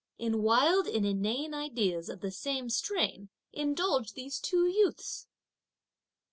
In wild and inane ideas of the same strain, indulged these two youths!